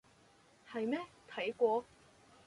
係咩？睇過？